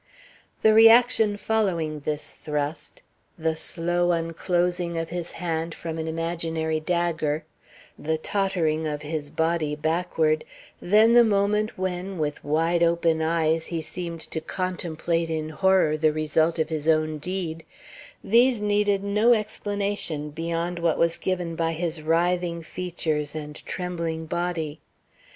The reaction following this thrust; the slow unclosing of his hand from an imaginary dagger; the tottering of his body backward; then the moment when with wide open eyes he seemed to contemplate in horror the result of his own deed; these needed no explanation beyond what was given by his writhing features and trembling body.